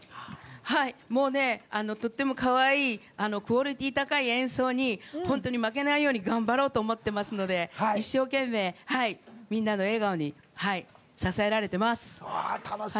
とってもかわいいクオリティー高い演奏に負けないように頑張ろうと思ってますので一生懸命みんなの笑顔に支えられてます。